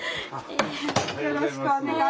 よろしくお願いします。